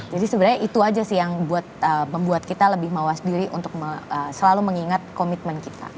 jadi sebenarnya itu aja sih yang membuat kita lebih mewas diri untuk selalu mengingat komitmen kita